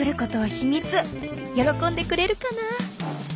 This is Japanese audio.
喜んでくれるかな？